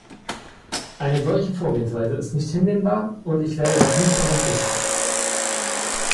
Eine solche Vorgehensweise ist nicht hinnehmbar, und ich werde das nicht unterstützen.